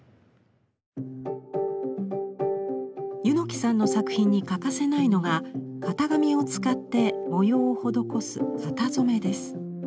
柚木さんの作品に欠かせないのが型紙を使って模様を施す型染です。